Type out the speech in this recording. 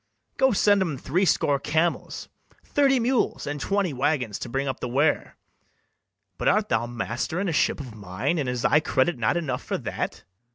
Go send 'em threescore camels, thirty mules, And twenty waggons, to bring up the ware. But art thou master in a ship of mine, And is thy credit not enough for that? MERCHANT.